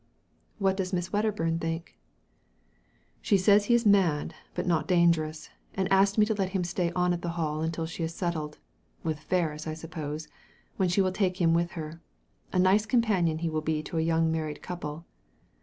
" What does Miss Wedderbum think ?"" She says he is mad, but not dangerous, and asked me to let him stay on at the Hall until she is settled — with Ferris, I suppose — when she will take him with her. A nice companion he will be to a young married couple."